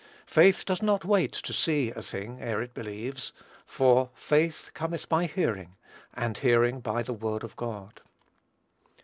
Faith does not wait to see a thing, ere it believes, for "faith cometh by hearing, and hearing by the word of God."